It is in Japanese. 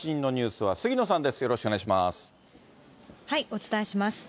お伝えします。